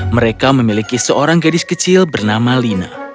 mereka memiliki seorang gadis kecil bernama lina